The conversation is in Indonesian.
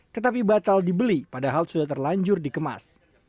tetapi batal dibeli padahal sudah terlanjur dikemas